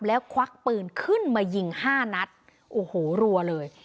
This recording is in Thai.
แล้วควักปืนขึ้นมายิงห้านัดโอ้โหรัวเลย